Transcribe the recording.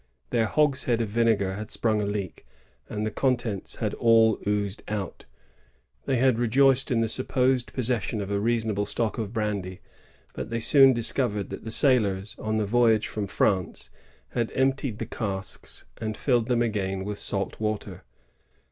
Their hogshead of vinegar had sprung a leak, and the contents had all oozed out. They had rejoiced in the supposed possession of a reason able stock of brandy; but they soon discoyered that the sailorB, on the voyage from France, had emptied the casks and filled them again with salt water.